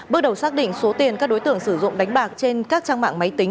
bước đầu xác định số tiền các đối tượng sử dụng đánh bạc trên các trang mạng máy tính